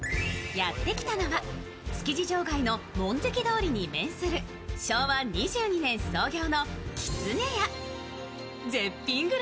やってきたのは築地場外のもんぜき通りに面する昭和２２年創業のきつねや。